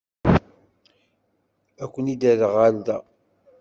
Ad ken-id-rreɣ ɣer da.